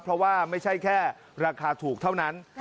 เพราะว่าไม่ใช่แค่ราคาถูกเท่านั้น